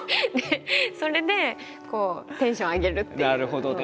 それでこうテンション上げるっていうのが。